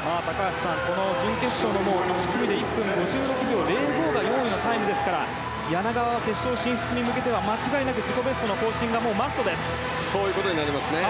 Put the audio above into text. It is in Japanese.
高橋さんこの準決勝でも１組で１分５６秒０５が４位のタイムですから柳川は決勝進出に向けては間違いなく自己ベスト更新がそういうことになります。